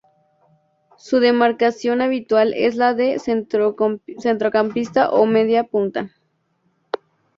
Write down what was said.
Su demarcación habitual es la de centrocampista o media punta.